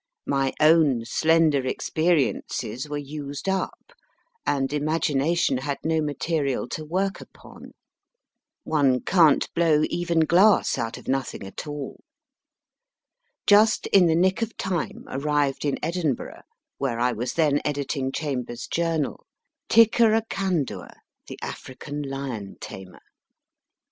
My own slender experiences were used up, and imagina tion had no material to work upon ; one can t blow even glass A WICKED SISTER i8 MY FIRST BOOK out of nothing at all. Just in the nick of time arrived in Edinburgh, where I was then editing Chambers^ Journal, Tickeracandua, the African Lion Tamer.